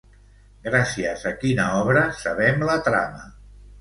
Gràcies a quina obra sabem la trama?